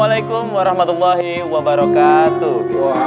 waalaikumsalam warahmatullahi wabarakatuh